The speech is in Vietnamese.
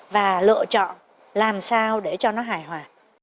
và lựa chọn làm sao để cho nó hài hòa